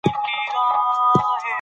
افغانستان کې د رسوب په اړه زده کړه کېږي.